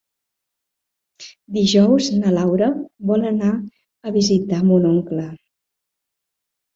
Dijous na Laura vol anar a visitar mon oncle.